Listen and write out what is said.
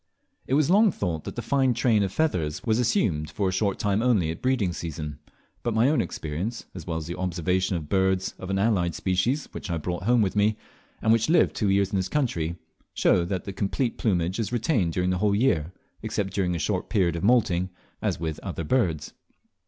It was long thought that the fine train of feathers was assumed for a short time only at the breeding season, but my own experience, as well as the observation of birds of an allied species which I brought home with me, and which lived two years in this country, show that the complete plumage is retained during the whole year, except during a short period of moulting as with most other birds.